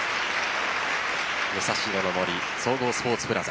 武蔵野の森総合スポーツプラザ